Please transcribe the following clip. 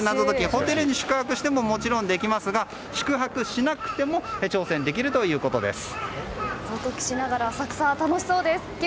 ホテルに宿泊してももちろんできますが宿泊しなくても挑戦できるということです。